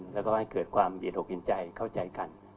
แล้วก็ให้เกิดความเหยียดหกินใจเข้าใจกัน